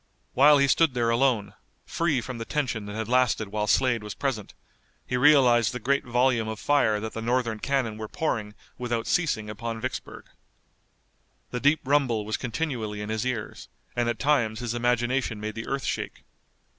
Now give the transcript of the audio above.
While he stood there alone, free from the tension that had lasted while Slade was present, he realized the great volume of fire that the Northern cannon were pouring without ceasing upon Vicksburg. The deep rumble was continually in his ears, and at times his imagination made the earth shake.